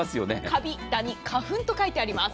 カビ、ダニ花粉と書いてあります。